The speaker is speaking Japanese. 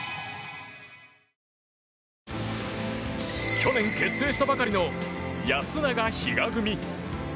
去年結成したばかりの安永、比嘉組。